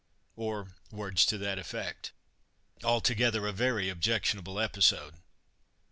or words to that effect. Altogether a very objectionable episode.